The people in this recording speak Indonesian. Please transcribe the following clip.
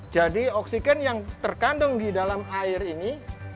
jadi oksigen yang tergandung di dalam air ini